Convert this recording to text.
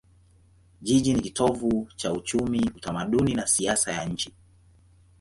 Jiji ni kitovu cha uchumi, utamaduni na siasa ya nchi.